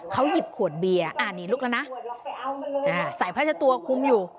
เขายิบขวดเบียอ่านี่ลุกแล้วนะอ่าใส่พัชตัวคุ้มอยู่